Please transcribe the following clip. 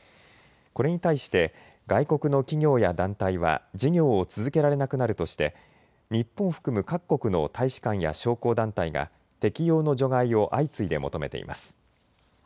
これに対して外国の企業や団体は事業を続けられなくなるとして日本を含む各国の大使館や商工団体が適用の除外を相次いで求めています。